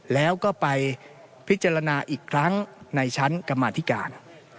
แล้วก็ไปพิจารณาอีกครั้งในชั้นกรรมาธิการ